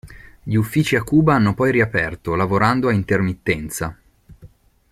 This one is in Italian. Gli uffici a Cuba hanno poi riaperto lavorando a intermittenza.